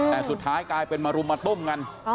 แต่สุดท้ายกลายเป็นมารุมมาตุ้มกัน